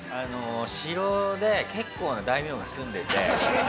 城で結構な大名が住んでて。